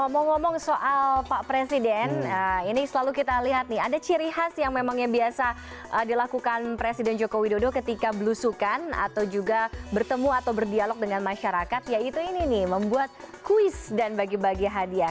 ngomong ngomong soal pak presiden ini selalu kita lihat nih ada ciri khas yang memang yang biasa dilakukan presiden joko widodo ketika belusukan atau juga bertemu atau berdialog dengan masyarakat yaitu ini nih membuat kuis dan bagi bagi hadiah